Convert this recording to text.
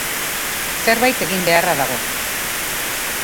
Zerbait egin beharra dago.